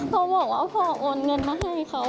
ทำไมเราอยากพูดอะไรนะครับ